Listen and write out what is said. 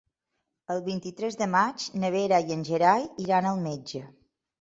El vint-i-tres de maig na Vera i en Gerai iran al metge.